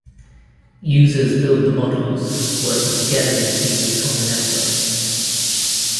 Users build the models working together in teams on the network.